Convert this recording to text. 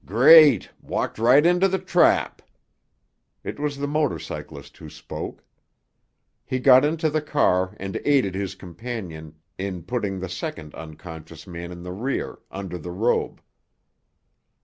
"Great! Walked right into the trap!" It was the motor cyclist who spoke. He got into the car and aided his companion in putting the second unconscious man in the rear, under the robe.